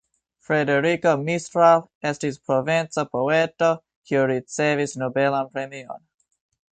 Frederiko Mistral estis provenca poeto, kiu ricevis nobelan premion.